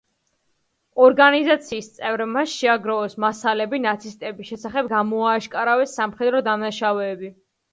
ორგანიზაციის წევრებმა შეაგროვეს მასალები ნაცისტების შესახებ, გამოააშკარავეს სამხედრო დამნაშავეები.